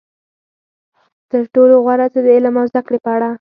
تر ټولو غوره څه د علم او زده کړې په اړه.